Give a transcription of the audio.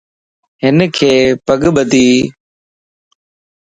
ھنک پڳ ٻڌيَ